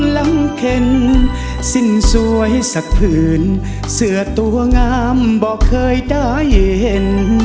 ลำเข็นสิ้นสวยสักผื่นเสือตัวงามบอกเคยได้เห็น